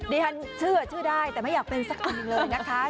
ดิฉันเชื่อชื่อได้แต่ไม่อยากเป็นสักเองเลยนะคะ